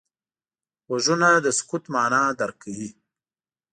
غوږونه د سکوت معنا درک کوي